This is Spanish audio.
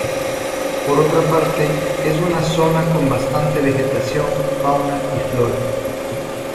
Por otra parte, es una zona con bastante vegetación, fauna y flora.